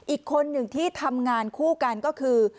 อีกคนหนึ่งที่ทำงานคู่กันก็คือ